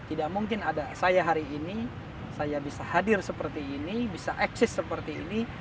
tidak mungkin ada saya hari ini saya bisa hadir seperti ini bisa eksis seperti ini